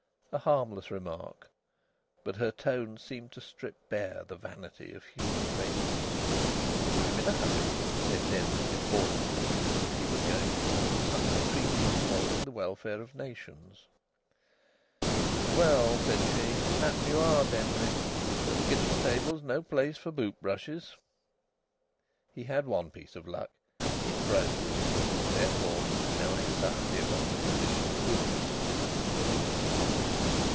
A harmless remark. But her tone seemed to strip bare the vanity of human greatness. "I'm in a hurry," said Denry, importantly, as if he was going forth to sign a treaty involving the welfare of the nations. "Well," said she, "happen ye are, Denry. But th' kitchen table's no place for boot brushes." He had one piece of luck. It froze. Therefore no anxiety about the condition of boots.